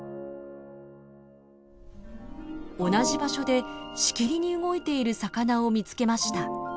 同じ場所でしきりに動いている魚を見つけました。